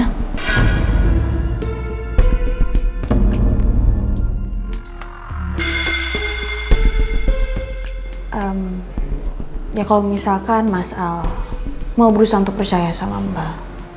ya kalau misalkan mas al mau berusaha untuk percaya sama mbak